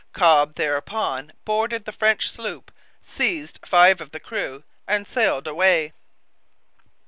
Cobb thereupon boarded the French sloop, seized five of the crew, and sailed away.